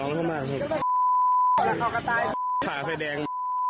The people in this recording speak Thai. ขาไปแดง